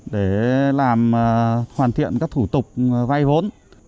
để hoàn thiện các thủ tục vay vốn